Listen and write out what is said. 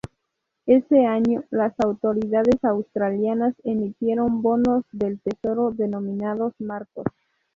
Ese año, las autoridades australianas emitieron bonos del Tesoro denominados marcos.